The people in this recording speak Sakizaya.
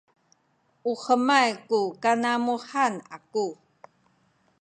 u hemay ku kanamuhan aku